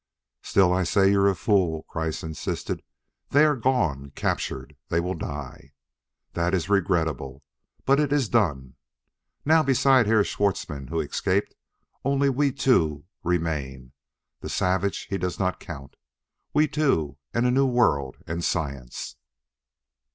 "Still I say you are a fool," Kreiss insisted. "They are gone captured; they will die. That is regrettable, but it is done. Now, besides Herr Schwartzmann who escaped, only we two remain; the savage, he does not count. We two! and a new world! and science!